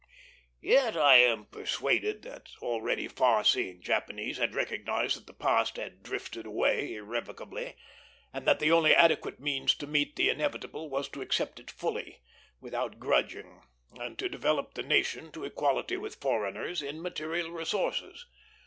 Yet I am persuaded that already far seeing Japanese had recognized that the past had drifted away irrevocably, and that the only adequate means to meet the inevitable was to accept it fully, without grudging, and to develop the nation to equality with foreigners in material resources.